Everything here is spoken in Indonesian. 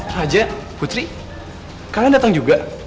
raja putri kalian datang juga